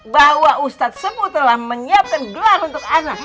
bahwa ustad sebut telah menyiapkan gelar untuk anak